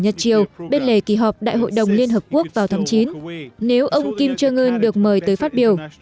nhật triều bên lề kỳ họp đại hội đồng liên hợp quốc vào tháng chín nếu ông kim jong un được mời tới phát biểu